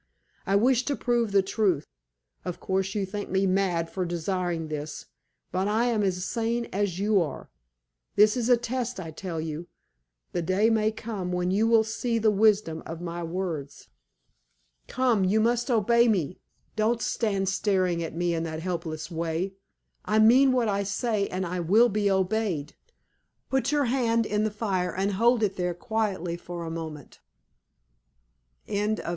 I wish to prove the truth. Of course you think me mad for desiring this, but I am as sane as you are. This is a test, I tell you. The day may come when you will see the wisdom of my words. Come; you must obey me. Don't stand staring at me in that helpless way. I mean what I say, and I will be obeyed. Put your hand in the fire, and hold it there quietly for a moment!" CHAPTER IX.